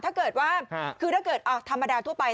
ถ้าเกิดว่าคือถ้าเกิดธรรมดาทั่วไป